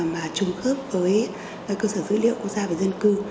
mà trùng khớp với cơ sở dữ liệu quốc gia về dân cư